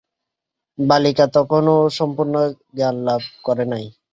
বালিকা তখনো সম্পূর্ণ জ্ঞানলাভ করে নাই।